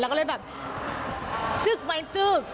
แล้วก็เลยแบบจึกไหมจึก